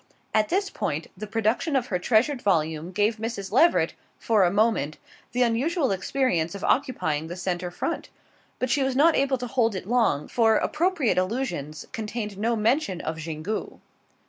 At this point the production of her treasured volume gave Mrs. Leveret, for a moment, the unusual experience of occupying the centre front; but she was not able to hold it long, for Appropriate Allusions contained no mention of Xingu.